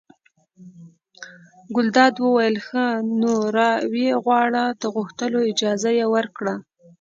ګلداد وویل ښه! نو را ویې غواړه د غوښتلو اجازه یې ورکړه.